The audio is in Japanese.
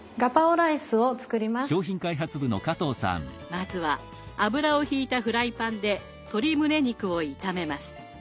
まずは油をひいたフライパンで鶏むね肉を炒めます。